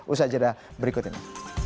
usaha jadah berikut ini